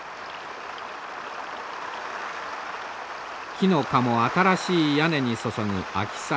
木の香も新しい屋根に注ぐ秋雨。